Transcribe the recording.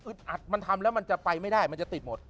อัดมันทำแล้วมันจะไปไม่ได้มันจะติดหมด